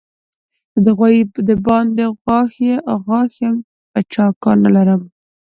زه د غوايي د باندې غاښ يم؛ په چا کار نه لرم.